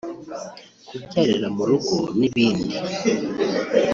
kubyarira mu rugo n'ibindi